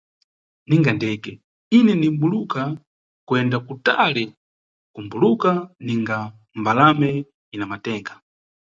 Ninga ndeke, ine nimʼbuluka kuyenda kutali, kumbuluka ninga mbalame ina matenga.